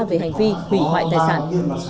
về hành vi hủy hoại tài sản